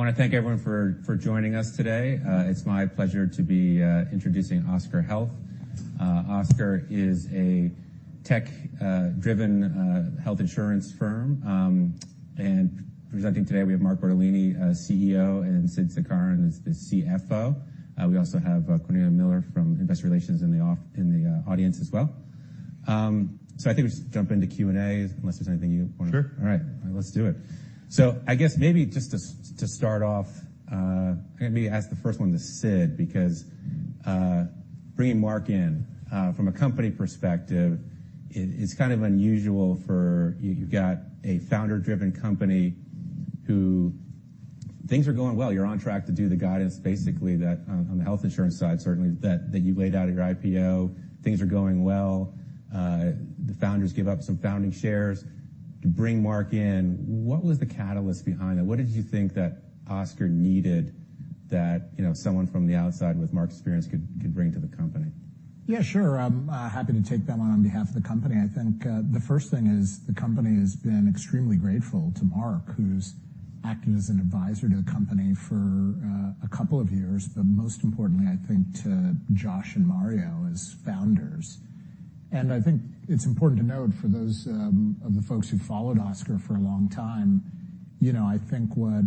I wanna thank everyone for joining us today. It's my pleasure to be introducing Oscar Health. Oscar is a tech driven health insurance firm. Presenting today we have Mark Bertolini, CEO, and Sid Sankaran is the CFO. We also have Cornelia Miller from Investor Relations in the audience as well. I think we just jump into Q&A unless there's anything you wanna-. Sure. All right. Let's do it. I guess maybe just to start off, maybe ask the first one to Sid, because bringing Mark in from a company perspective it's kind of unusual for you've got a founder driven company who things are going well. You're on track to do the guidance basically that on the health insurance side, certainly that you laid out at your IPO. Things are going well. The founders give up some founding shares to bring Mark in. What was the catalyst behind that? What did you think that Oscar needed that, you know, someone from the outside with Mark's experience could bring to the company? Yeah, sure. I'm happy to take that one on behalf of the company. I think the first thing is the company has been extremely grateful to Mark, who's acted as an advisor to the company for a couple of years, but most importantly, I think, to Josh and Mario as founders. I think it's important to note for those of the folks who followed Oscar for a long time, you know, I think what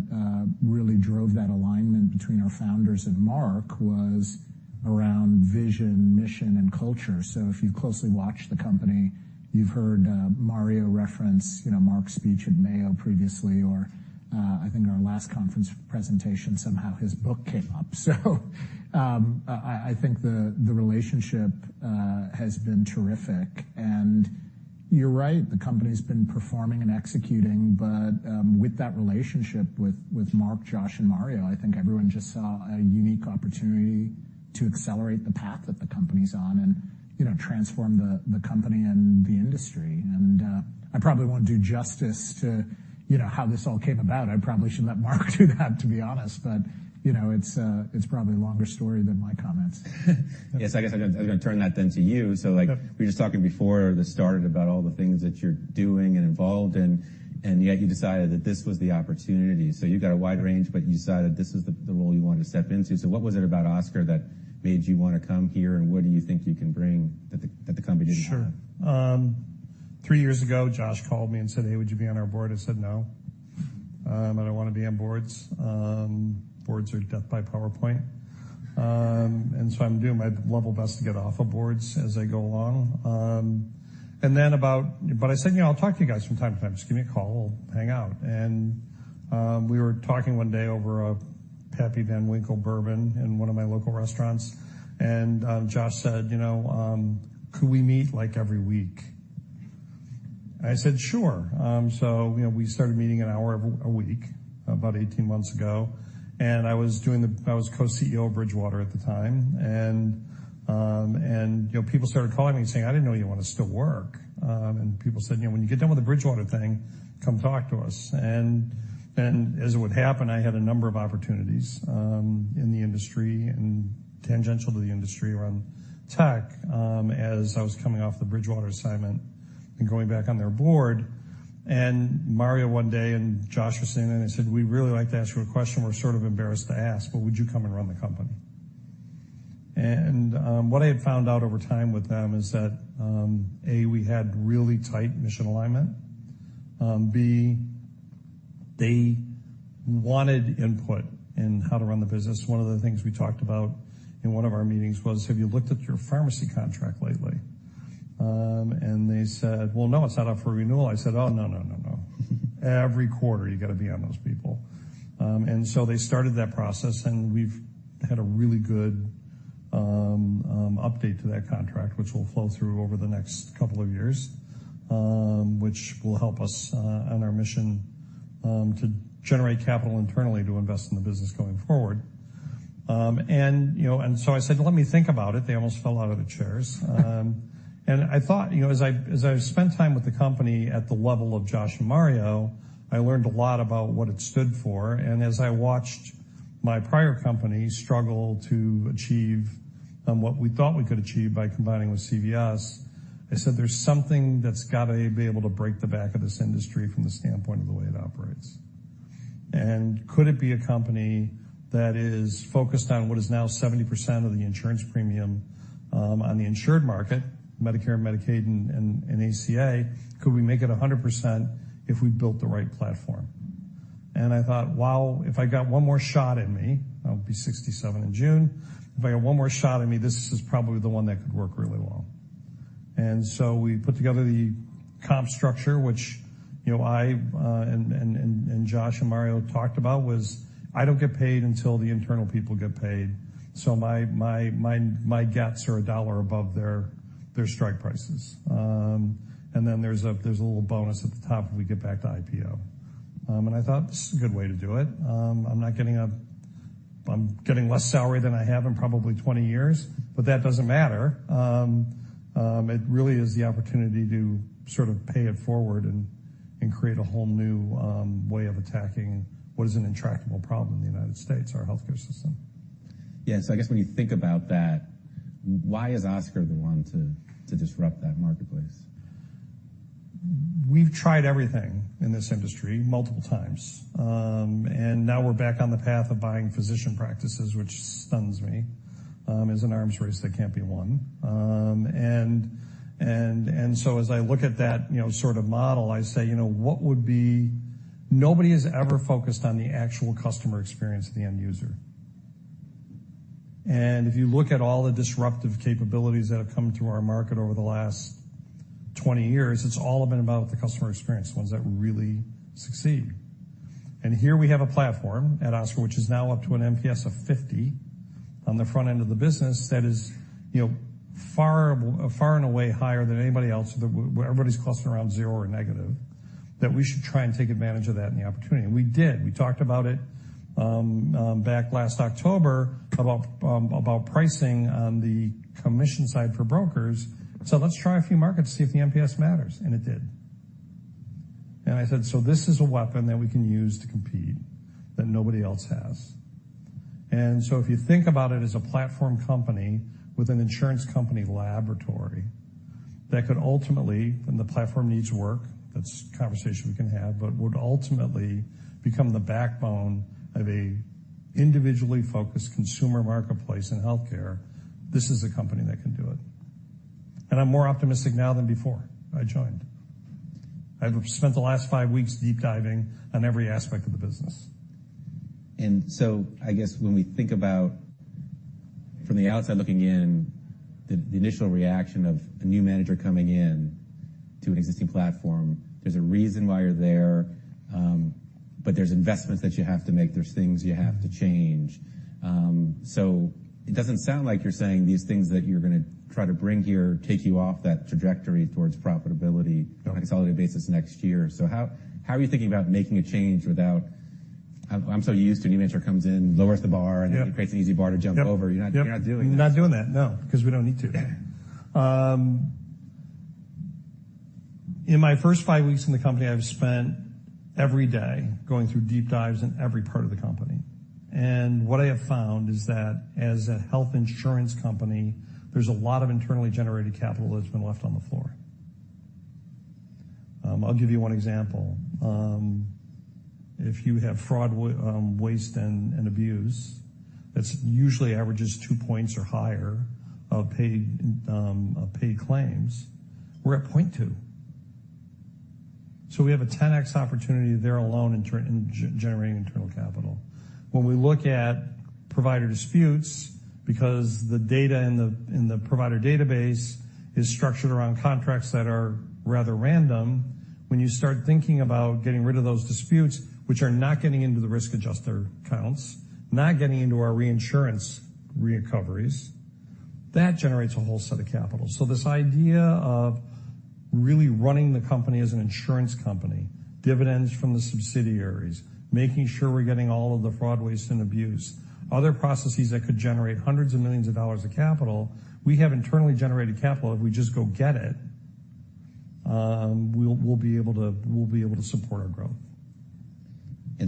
really drove that alignment between our founders and Mark was around vision, mission, and culture. If you closely watch the company, you've heard Mario reference, you know, Mark's speech at Mayo previously, or I think in our last conference presentation, somehow his book came up. I think the relationship has been terrific. You're right, the company's been performing and executing. With that relationship with Mark, Josh and Mario, I think everyone just saw a unique opportunity to accelerate the path that the company's on and, you know, transform the company and the industry. I probably won't do justice to, you know, how this all came about. I probably should let Mark do that, to be honest. You know, it's probably a longer story than my comments. Yes, I guess I was gonna turn that then to you. Sure. Like, we were just talking before this started about all the things that you're doing and involved in, yet you decided that this was the opportunity. You've got a wide range, but you decided this is the role you wanted to step into. What was it about Oscar that made you wanna come here, and what do you think you can bring that the company didn't have? Sure. three years ago, Josh called me and said, "Hey, would you be on our board?" I said, "No. I don't wanna be on boards. Boards are death by PowerPoint." I'm doing my level best to get off of boards as I go along. I said, you know, "I'll talk to you guys from time to time. Just give me a call. We'll hang out." We were talking one day over a Pappy Van Winkle bourbon in one of my local restaurants, and Josh said, you know, "Could we meet, like, every week?" I said, "Sure." You know, we started meeting an hour a week about 18 months ago, and I was co-CEO of Bridgewater at the time. You know, people started calling me and saying, "I didn't know you wanted to still work." People said, you know, "When you get done with the Bridgewater thing, come talk to us." As it would happen, I had a number of opportunities in the industry and tangential to the industry around tech, as I was coming off the Bridgewater assignment and going back on their board. Mario one day, and Josh were saying, they said, "We'd really like to ask you a question we're sort of embarrassed to ask, but would you come and run the company?" What I had found out over time with them is that, A, we had really tight mission alignment. B, they wanted input in how to run the business. One of the things we talked about in one of our meetings was, "Have you looked at your pharmacy contract lately?" They said, "Well, no, it's not up for renewal." I said, "Oh, no, no. Every quarter you gotta be on those people." They started that process, and we've had a really good update to that contract, which will flow through over the next couple of years, which will help us on our mission to generate capital internally to invest in the business going forward. You know, so I said, "Let me think about it." They almost fell out of the chairs. I thought, you know, as I spent time with the company at the level of Josh and Mario, I learned a lot about what it stood for. As I watched my prior company struggle to achieve, what we thought we could achieve by combining with CVS, I said, there's something that's gotta be able to break the back of this industry from the standpoint of the way it operates. Could it be a company that is focused on what is now 70% of the insurance premium, on the insured market, Medicare, Medicaid, and ACA? Could we make it 100% if we built the right platform? I thought, wow, if I got one more shot at me, I'll be 67 in June. If I got one more shot at me, this is probably the one that could work really well. We put together the comp structure, which, you know, I and Josh and Mario talked about was, I don't get paid until the internal people get paid. My gaps are $1 above their strike prices. There's a little bonus at the top if we get back to IPO. I thought, this is a good way to do it. I'm getting less salary than I have in probably 20 years, but that doesn't matter. It really is the opportunity to sort of pay it forward and create a whole new way of attacking what is an intractable problem in the United States, our healthcare system. Yes, I guess when you think about that, why is Oscar the one to disrupt that marketplace? We've tried everything in this industry multiple times. Now we're back on the path of buying physician practices, which stuns me as an arms race that can't be won. So as I look at that, you know, sort of model, I say, you know, what would be. Nobody has ever focused on the actual customer experience of the end user. If you look at all the disruptive capabilities that have come through our market over the last 20 years, it's all been about the customer experience, ones that really succeed. Here we have a platform at Oscar, which is now up to an NPS of 50 on the front end of the business that is, you know, far and away higher than anybody else. Everybody's clustering around zero or negative, that we should try and take advantage of that and the opportunity. We did. We talked about it back last October about pricing on the commission side for brokers. Let's try a few markets to see if the NPS matters. It did. I said, this is a weapon that we can use to compete that nobody else has. If you think about it as a platform company with an insurance company laboratory that could ultimately, and the platform needs work, that's a conversation we can have, but would ultimately become the backbone of a individually focused consumer marketplace in healthcare, this is a company that can do it. I'm more optimistic now than before I joined. I've spent the last five weeks deep diving on every aspect of the business. I guess when we think about from the outside looking in, the initial reaction of a new manager coming in to an existing platform, there's a reason why you're there, but there's investments that you have to make. There's things you have to change. It doesn't sound like you're saying these things that you're gonna try to bring here take you off that trajectory towards profitability on a consolidated basis next year. How are you thinking about making a change without... I'm so used to a new manager comes in, lowers the bar, and it creates an easy bar to jump over. You're not doing that. We're not doing that, no, because we don't need to. Yeah. In my first five weeks in the company, I've spent every day going through deep dives in every part of the company. What I have found is that as a health insurance company, there's a lot of internally generated capital that's been left on the floor. I'll give you one example. If you have fraud, waste, and abuse, that's usually averages two points or higher of paid claims. We're at 0.2. We have a 10x opportunity there alone in generating internal capital. When we look at provider disputes, because the data in the provider database is structured around contracts that are rather random, when you start thinking about getting rid of those disputes, which are not getting into the risk adjuster counts, not getting into our reinsurance recoveries, that generates a whole set of capital. This idea of really running the company as an insurance company, dividends from the subsidiaries, making sure we're getting all of the fraud, waste, and abuse, other processes that could generate hundreds of millions of dollars of capital, we have internally generated capital. If we just go get it, we'll be able to support our growth.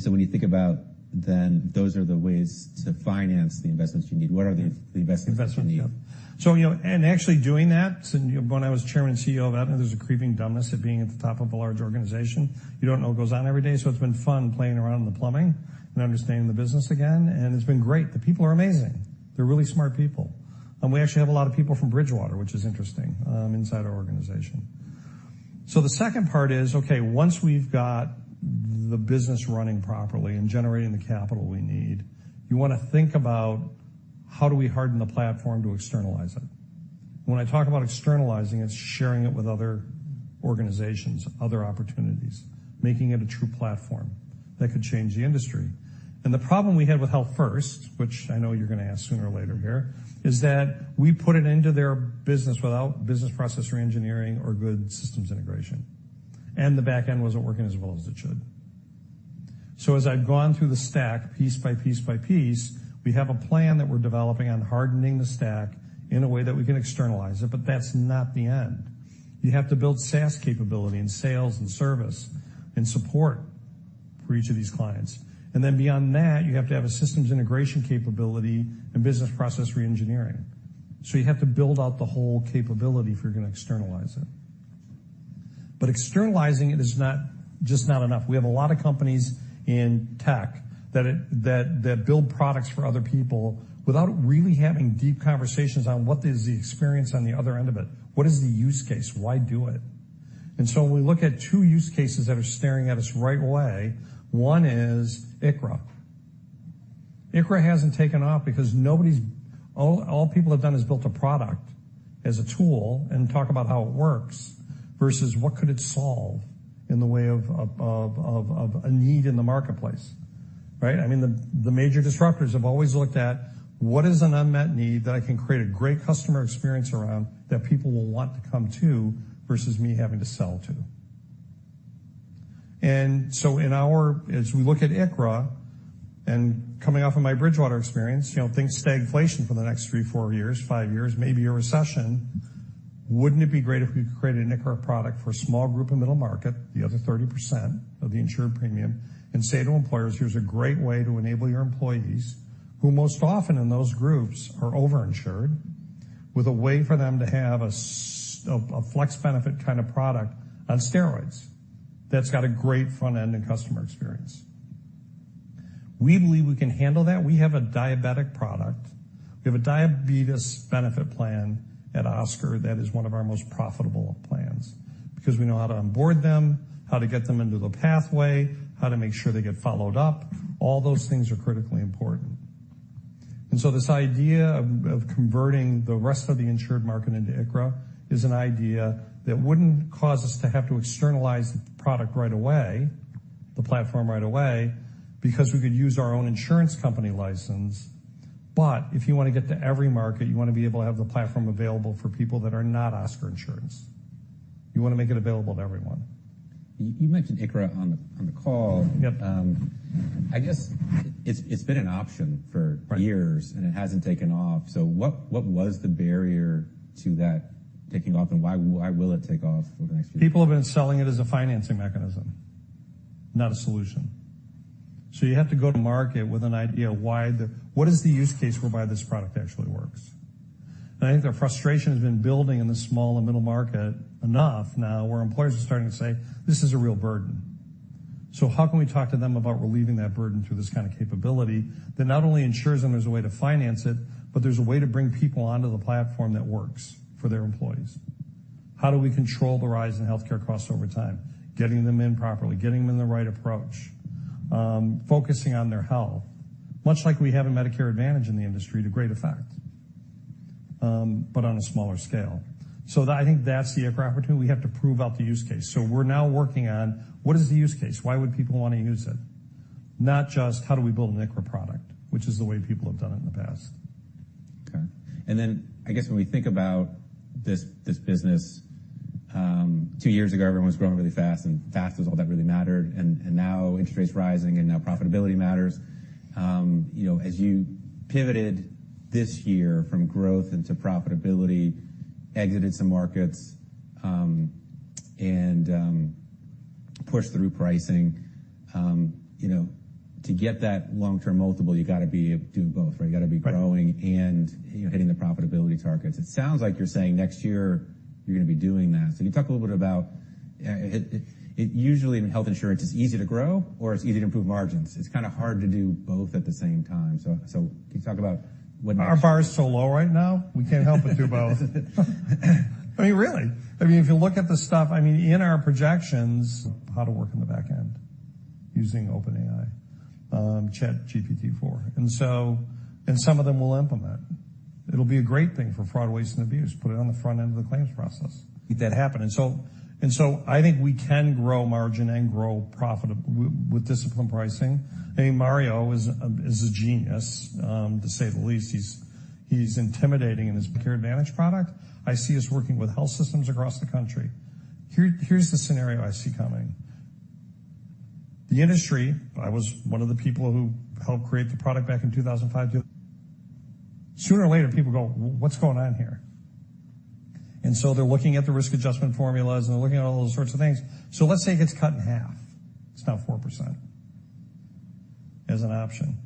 When you think about then those are the ways to finance the investments you need, what are the investments you need? You know, and actually doing that, when I was chairman and CEO of Aetna, there's a creeping dumbness of being at the top of a large organization. You don't know what goes on every day, so it's been fun playing around in the plumbing and understanding the business again. It's been great. The people are amazing. They're really smart people. We actually have a lot of people from Bridgewater, which is interesting, inside our organization. The second part is, okay, once we've got the business running properly and generating the capital we need, you want to think about how do we harden the platform to externalize it? When I talk about externalizing, it's sharing it with other organizations, other opportunities, making it a true platform that could change the industry. The problem we had with Health First, which I know you're going to ask sooner or later here, is that we put it into their business without Business Process Reengineering or good systems integration. The back end wasn't working as well as it should. As I've gone through the stack piece by piece by piece, we have a plan that we're developing on hardening the stack in a way that we can externalize it, but that's not the end. You have to build SaaS capability and sales and service and support for each of these clients. Beyond that, you have to have a systems integration capability and Business Process Reengineering. You have to build out the whole capability if you're going to externalize it. Externalizing it is just not enough. We have a lot of companies in tech that build products for other people without really having deep conversations on what is the experience on the other end of it. What is the use case? Why do it? When we look at two use cases that are staring at us right away, one is ICHRA. ICHRA hasn't taken off because All people have done is built a product as a tool and talk about how it works versus what could it solve in the way of a need in the marketplace, right? I mean, the major disruptors have always looked at what is an unmet need that I can create a great customer experience around that people will want to come to versus me having to sell to. In our, as we look at ICHRA, and coming off of my Bridgewater experience, you know, think stagflation for the next three, four years, five years, maybe a recession. Wouldn't it be great if we could create an ICHRA product for a small group of middle market, the other 30% of the insured premium, and say to employers, "Here's a great way to enable your employees, who most often in those groups are over-insured, with a way for them to have a flex benefit kind of product on steroids that's got a great front-end and customer experience." We believe we can handle that. We have a diabetic product. We have a diabetes benefit plan at Oscar that is one of our most profitable plans because we know how to onboard them, how to get them into the pathway, how to make sure they get followed up. All those things are critically important. This idea of converting the rest of the insured market into ICHRA is an idea that wouldn't cause us to have to externalize the product right away, the platform right away, because we could use our own insurance company license. If you wanna get to every market, you wanna be able to have the platform available for people that are not Oscar insurance. You wanna make it available to everyone. You mentioned ICHRA on the call. Yep. I guess it's been an option. Right... years, and it hasn't taken off. What was the barrier to that taking off, and why will it take off over the next few years? People have been selling it as a financing mechanism, not a solution. You have to go to market with an idea what is the use case whereby this product actually works? I think the frustration has been building in the small and middle market enough now where employers are starting to say, "This is a real burden." How can we talk to them about relieving that burden through this kind of capability that not only ensures them there's a way to finance it, but there's a way to bring people onto the platform that works for their employees? How do we control the rise in healthcare costs over time? Getting them in properly, getting them in the right approach, focusing on their health, much like we have in Medicare Advantage in the industry to great effect, but on a smaller scale. I think that's the ICHRA opportunity. We have to prove out the use case. We're now working on what is the use case? Why would people wanna use it? Not just how do we build an ICHRA product, which is the way people have done it in the past. Okay. I guess when we think about this business, two years ago, everyone was growing really fast, and fast was all that really mattered. Now interest rates rising, and now profitability matters. You know, as you pivoted this year from growth into profitability, exited some markets, and pushed through pricing, you know, to get that long-term multiple, you gotta be able to do both, right? Right. You gotta be growing and, you know, hitting the profitability targets. It sounds like you're saying next year you're gonna be doing that. Can you talk a little bit about... it usually in health insurance, it's easy to grow or it's easy to improve margins. It's kinda hard to do both at the same time. Can you talk about what makes- Our bar is so low right now, we can't help but do both. I mean, really. I mean, if you look at the stuff, I mean, in our projections how to work on the back end using OpenAI, GPT-4. Some of them will implement. It'll be a great thing for fraud, waste, and abuse. Put it on the front end of the claims process. That happen. I think we can grow margin and grow profitab-- with disciplined pricing. I mean, Mario is a genius to say the least. He's intimidating in his Medicare Advantage product. I see us working with health systems across the country. Here's the scenario I see coming. The industry, I was one of the people who helped create the product back in 2005 to... Sooner or later, people go, "What's going on here?" They're looking at the risk adjustment formulas, and they're looking at all those sorts of things. Let's say it gets cut in half. It's now 4% as an option.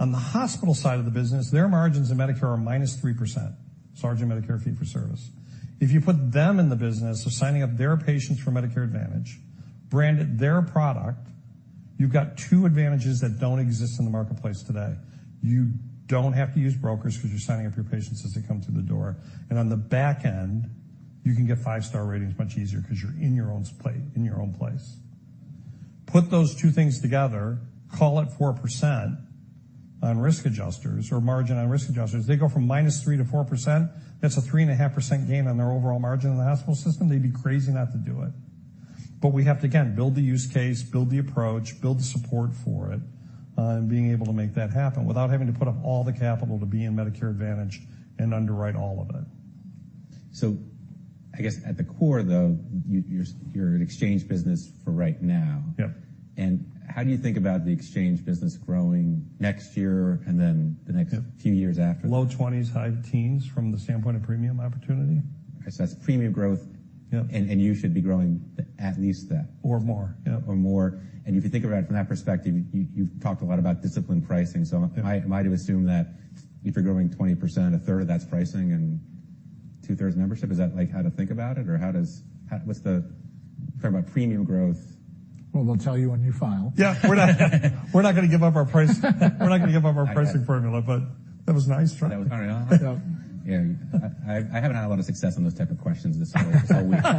On the hospital side of the business, their margins in Medicare are -3%, versus Medicare fee-for-service. If you put them in the business of signing up their patients for Medicare Advantage, branded their product, you've got two advantages that don't exist in the marketplace today. You don't have to use brokers because you're signing up your patients as they come through the door. On the back end, you can get 5-star ratings much easier because you're in your own place. Put those two things together, call it 4% on risk adjusters or margin on risk adjusters. They go from -3% to 4%, that's a 3.5% gain on their overall margin in the hospital system. They'd be crazy not to do it. We have to, again, build the use case, build the approach, build the support for it, and being able to make that happen without having to put up all the capital to be in Medicare Advantage and underwrite all of it. I guess at the core, though, you're an exchange business for right now. Yep. How do you think about the exchange business growing next year and then the next-. Yep... few years after that? Low twenties, high teens from the standpoint of premium opportunity. Okay. That's premium growth. Yep. You should be growing at least that. More. Yep. More. If you think about it from that perspective, you've talked a lot about disciplined pricing. Am I to assume that if you're growing 20%, a third of that's pricing and two-thirds membership? Is that, like, how to think about it? Talk about premium growth? Well, they'll tell you when you file. Yeah. We're not gonna give up our price, we're not gonna give up our pricing formula, but that was a nice try. That was all right. I like that one. Yeah. I haven't had a lot of success on those type of questions this whole week. All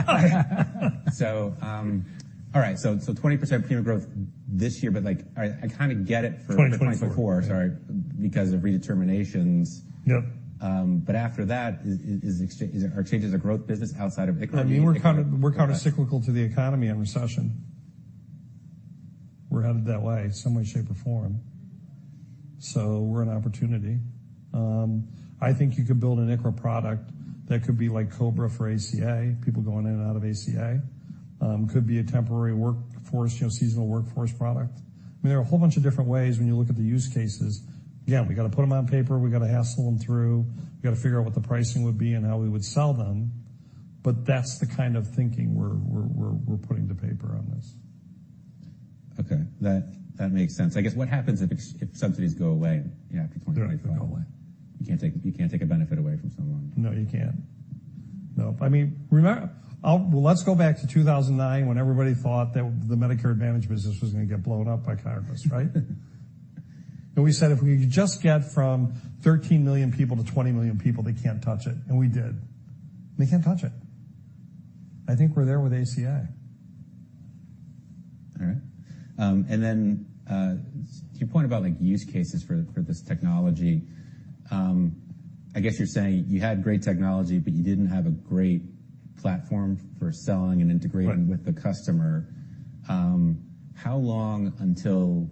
right. 20% premium growth this year, but, like, I kinda get it for- 2024.... 24. Sorry. Because of redeterminations. Yep. After that, are changes a growth business outside of ICHRA? I mean, we're countercyclical to the economy and recession. We're headed that way some way, shape, or form. We're an opportunity. I think you could build an ICHRA product that could be like COBRA for ACA, people going in and out of ACA. Could be a temporary workforce, you know, seasonal workforce product. I mean, there are a whole bunch of different ways when you look at the use cases. Again, we gotta put them on paper, we gotta hassle them through, we gotta figure out what the pricing would be and how we would sell them, but that's the kind of thinking we're putting to paper on this. Okay, that makes sense. I guess what happens if subsidies go away in after 2025? They don't go away. You can't take a benefit away from someone. No, you can't. Nope. I mean, Well, let's go back to 2009 when everybody thought that the Medicare Advantage business was gonna get blown up by Congress, right? We said, if we could just get from 13 million people to 20 million people, they can't touch it, and we did. They can't touch it. I think we're there with ACA. All right. To your point about, like, use cases for this technology, I guess you're saying you had great technology, but you didn't have a great platform for selling and integrating. Right. with the customer. How long until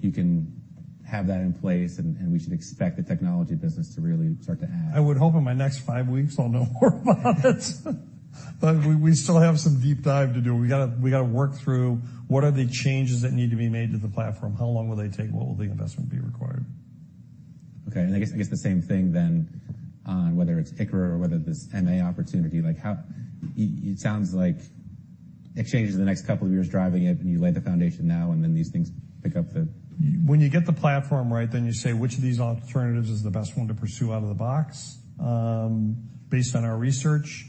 you can have that in place and we should expect the technology business to really start to add? I would hope in my next five weeks I'll know more about it. We still have some deep dive to do. We gotta work through what are the changes that need to be made to the platform? How long will they take? What will the investment be required? Okay. I guess the same thing then on whether it's ICHRA or whether this MA opportunity, like, how? It sounds like it changes in the next couple of years driving it, and you lay the foundation now, and then these things pick up the. When you get the platform right, you say which of these alternatives is the best one to pursue out of the box, based on our research.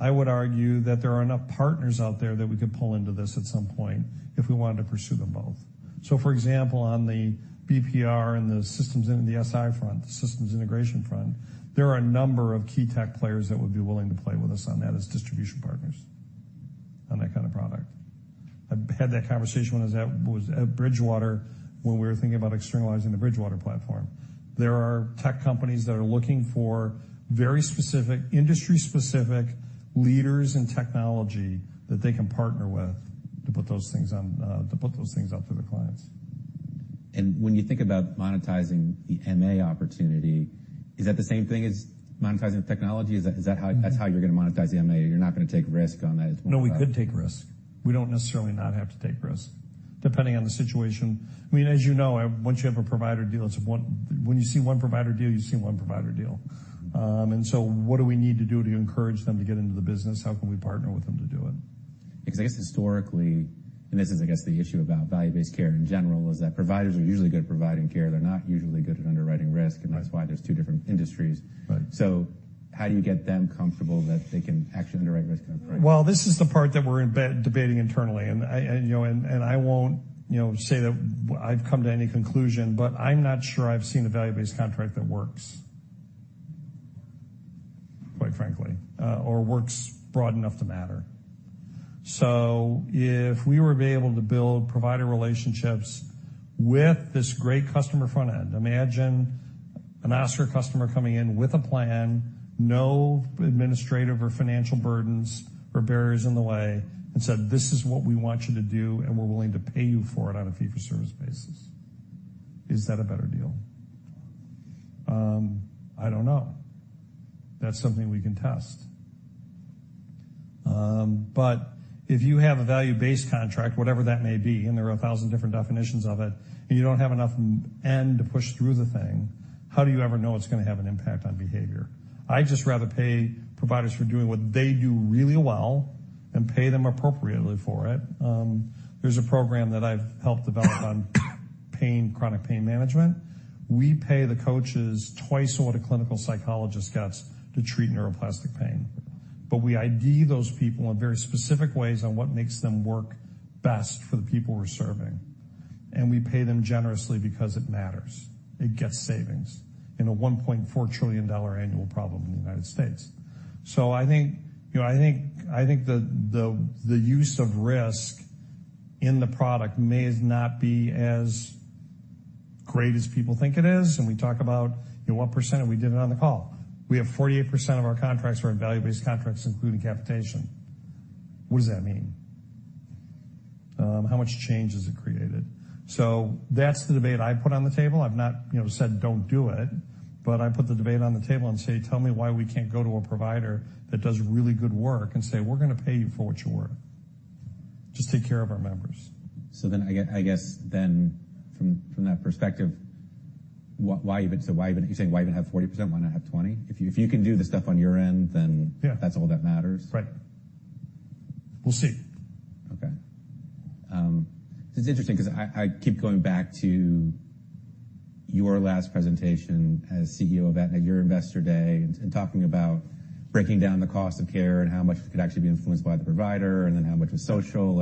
I would argue that there are enough partners out there that we could pull into this at some point if we wanted to pursue them both. For example, on the BPR and the systems in the SI front, the systems integration front, there are a number of key tech players that would be willing to play with us on that as distribution partners on that kind of product. I've had that conversation when I was at Bridgewater, when we were thinking about externalizing the Bridgewater platform. There are tech companies that are looking for very specific, industry-specific leaders in technology that they can partner with to put those things on, to put those things out to the clients. When you think about monetizing the MA opportunity, is that the same thing as monetizing the technology? Is that how, that's how you're gonna monetize the MA? You're not gonna take risk on that as one product? No, we could take risk. We don't necessarily not have to take risk, depending on the situation. I mean, as you know, once you have a provider deal, When you see one provider deal, you see one provider deal. What do we need to do to encourage them to get into the business? How can we partner with them to do it? I guess historically, and this is, I guess, the issue about value-based care in general, is that providers are usually good at providing care. They're not usually good at underwriting risk, and that's why there's two different industries. Right. How do you get them comfortable that they can actually underwrite risk on a price? Well, this is the part that we're debating internally. I, you know, and I won't, you know, say that I've come to any conclusion, but I'm not sure I've seen a value-based contract that works, quite frankly, or works broad enough to matter. If we were to be able to build provider relationships with this great customer front end, imagine an Oscar customer coming in with a plan, no administrative or financial burdens or barriers in the way, and said, "This is what we want you to do, and we're willing to pay you for it on a fee-for-service basis." Is that a better deal? I don't know. That's something we can test. If you have a value-based contract, whatever that may be, and there are 1,000 different definitions of it, and you don't have enough end to push through the thing, how do you ever know it's gonna have an impact on behavior? I'd just rather pay providers for doing what they do really well and pay them appropriately for it. There's a program that I've helped develop on pain, chronic pain management. We pay the coaches twice what a clinical psychologist gets to treat nociplastic pain. We ID those people in very specific ways on what makes them work best for the people we're serving. We pay them generously because it matters. It gets savings in a $1.4 trillion annual problem in the United States. I think, you know, I think the use of risk in the product may not be as great as people think it is. We talk about, you know, what percent, and we did it on the call. We have 48% of our contracts are in value-based contracts, including capitation. What does that mean? How much change has it created? That's the debate I put on the table. I've not, you know, said, "Don't do it," but I put the debate on the table and say, "Tell me why we can't go to a provider that does really good work and say, 'We're gonna pay you for what you're worth. Just take care of our members.' I guess then from that perspective, why even? You're saying why even have 40%? Why not have 20%? If you can do the stuff on your end, then. Yeah. That's all that matters. Right. We'll see. Okay. It's interesting 'cause I keep going back to your last presentation as CEO of Aetna, your investor day, and talking about breaking down the cost of care and how much could actually be influenced by the provider and then how much was social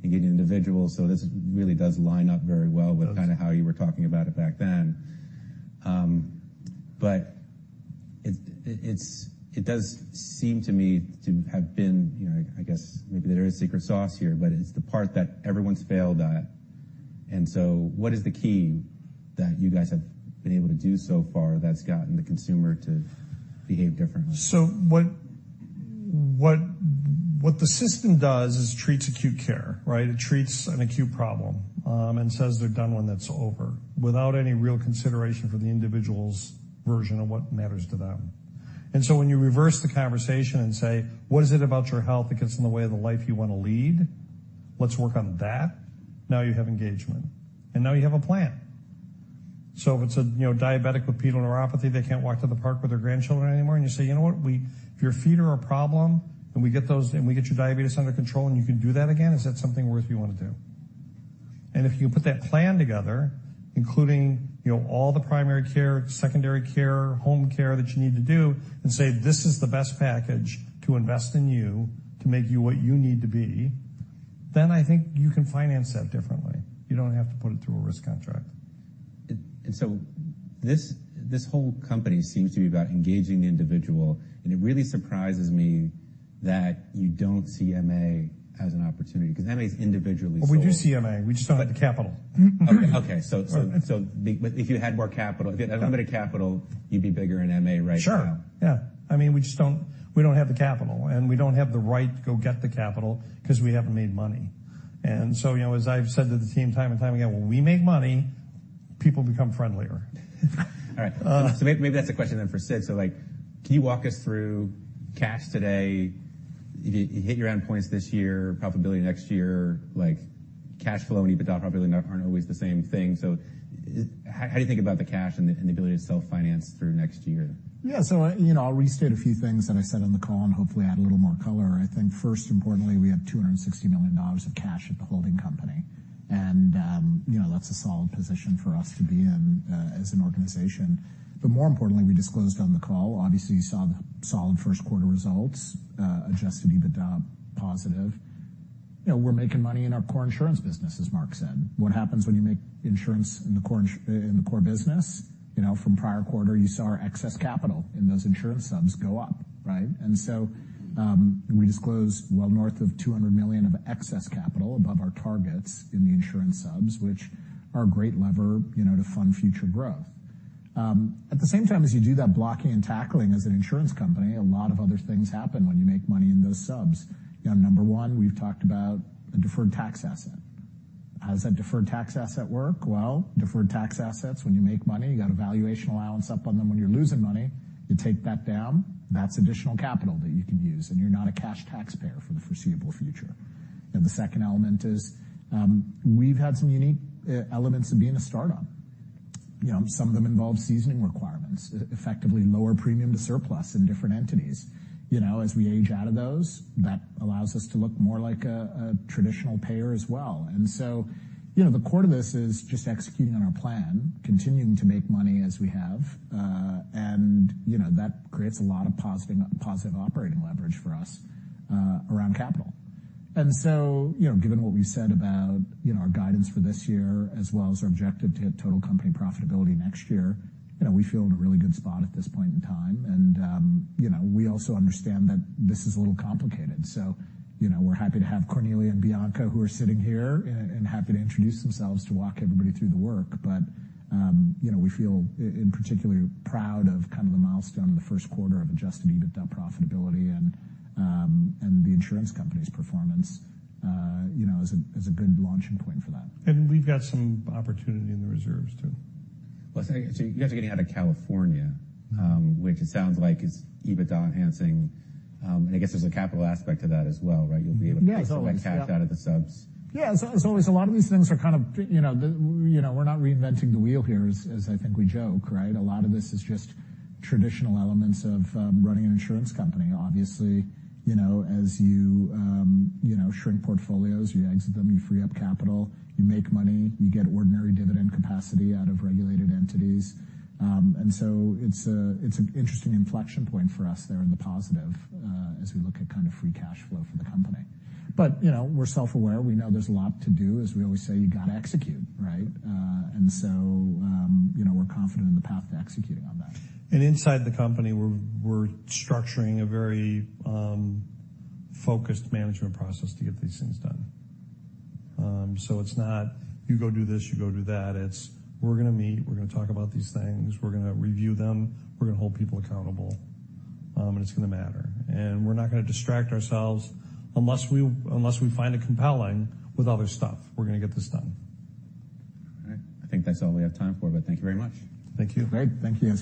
and how much was, again, individual. This really does line up very well with kinda how you were talking about it back then. But it does seem to me to have been, you know, I guess maybe there is secret sauce here, but it's the part that everyone's failed at. What is the key that you guys have been able to do so far that's gotten the consumer to behave differently? What the system does is treats acute care, right? It treats an acute problem, and says they're done when that's over, without any real consideration for the individual's version of what matters to them. When you reverse the conversation and say, "What is it about your health that gets in the way of the life you wanna lead? Let's work on that," now you have engagement, and now you have a plan. If it's a, you know, diabetic with peripheral neuropathy, they can't walk to the park with their grandchildren anymore, and you say, "You know what? If your feet are a problem, and we get your diabetes under control, and you can do that again, is that something worth you wanna do?" If you put that plan together, including, you know, all the primary care, secondary care, home care that you need to do and say, "This is the best package to invest in you to make you what you need to be," then I think you can finance that differently. You don't have to put it through a risk contract. This whole company seems to be about engaging the individual, and it really surprises me that you don't see MA as an opportunity, 'cause MA's individually sold. Oh, we do see MA, we just don't have the capital. If you had more capital, if you had unlimited capital, you'd be bigger in MA right now? Sure, yeah. I mean, we just don't, we don't have the capital, and we don't have the right to go get the capital 'cause we haven't made money. You know, as I've said to the team time and time again, when we make money, people become friendlier. All right. Maybe that's a question then for Sid. Like, can you walk us through cash today? You hit your endpoints this year, profitability next year. Like, cash flow and EBITDA probably are not, aren't always the same thing. How do you think about the cash and the ability to self-finance through next year? You know, I'll restate a few things that I said on the call and hopefully add a little more color. I think first, importantly, we have $260 million of cash at the holding company. You know, that's a solid position for us to be in as an organization. More importantly, we disclosed on the call, obviously, you saw the solid first quarter results, adjusted EBITDA positive. You know, we're making money in our core insurance business, as Mark said. What happens when you make insurance in the core business? You know, from prior quarter, you saw our excess capital in those insurance subs go up, right? We disclosed well north of $200 million of excess capital above our targets in the insurance subs, which are a great lever, you know, to fund future growth. At the same time, as you do that blocking and tackling as an insurance company, a lot of other things happen when you make money in those subs. You know, number one, we've talked about the deferred tax asset. How does that deferred tax asset work? Well, deferred tax assets, when you make money, you got a valuation allowance up on them. When you're losing money, you take that down, that's additional capital that you can use, and you're not a cash taxpayer for the foreseeable future. The second element is, we've had some unique e-elements of being a startup. You know, some of them involve seasoning requirements, effectively lower premium to surplus in different entities. You know, as we age out of those, that allows us to look more like a traditional payer as well. The core to this is just executing on our plan, continuing to make money as we have, and, you know, that creates a lot of positive operating leverage for us around capital. Given what we said about, you know, our guidance for this year, as well as our objective to hit total company profitability next year, you know, we feel in a really good spot at this point in time. We also understand that this is a little complicated. You know, we're happy to have Cornelia and Bianca, who are sitting here, and happy to introduce themselves to walk everybody through the work. You know, we feel in particular proud of kind of the milestone in the first quarter of adjusted EBITDA profitability and the insurance company's performance, you know, as a, as a good launching point for that. We've got some opportunity in the reserves too. You guys are getting out of California, which it sounds like is EBITDA enhancing. I guess there's a capital aspect to that as well, right? You'll be able to pull some of that cash- Yeah. As always out of the subs. Yeah. As, as always, a lot of these things are kind of, you know, we're not reinventing the wheel here, as I think we joke, right? A lot of this is just traditional elements of running an insurance company. Obviously, you know, as you know, shrink portfolios, you exit them, you free up capital, you make money, you get ordinary dividend capacity out of regulated entities. It's a, it's an interesting inflection point for us there in the positive, as we look at kind of free cash flow for the company. You know, we're self-aware. We know there's a lot to do. As we always say, you gotta execute, right? You know, we're confident in the path to executing on that. Inside the company, we're structuring a very, focused management process to get these things done. It's not, "You go do this, you go do that." It's, "We're gonna meet, we're gonna talk about these things, we're gonna review them, we're gonna hold people accountable, and it's gonna matter." We're not gonna distract ourselves unless we, unless we find it compelling with other stuff. We're gonna get this done. All right. I think that's all we have time for, but thank you very much. Thank you. Great. Thank you.